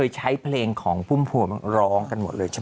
ใช้เพลงของผู้พ่วงร้องกันหมดเลย